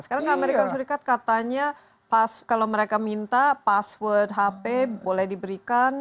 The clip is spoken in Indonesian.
sekarang amerika serikat katanya kalau mereka minta password hp boleh diberikan